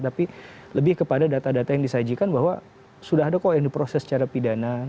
tapi lebih kepada data data yang disajikan bahwa sudah ada kok yang diproses secara pidana